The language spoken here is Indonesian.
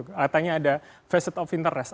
katanya ada vested of interest